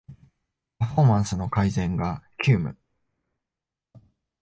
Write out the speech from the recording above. パフォーマンスの改善が急務